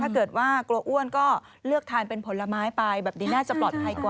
ถ้าเกิดว่ากลัวอ้วนก็เลือกทานเป็นผลไม้ไปแบบนี้น่าจะปลอดภัยกว่า